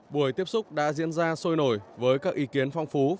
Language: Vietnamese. buổi tiếp xúc đã diễn ra sôi nổi với các ý kiến phong phú và tâm huyết